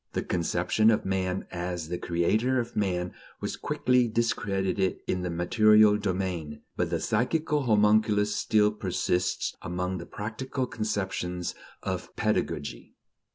The conception of man as the creator of man was quickly discredited in the material domain; but the psychical homunculus still persists among the practical conceptions of pedagogy.